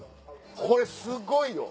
これすごいよ。